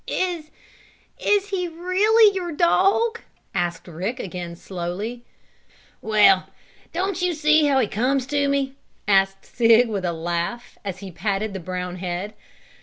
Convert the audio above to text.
"Is is he really your dog?" asked Rick again, slowly. "Well, don't you see how he comes to me?" asked Sig with a laugh, as he patted the brown head.